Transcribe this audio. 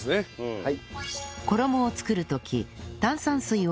はい。